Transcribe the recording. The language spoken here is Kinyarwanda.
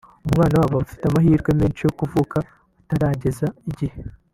umwana wabo aba afite amahirwe menshi yo kuvuka atarageza igihe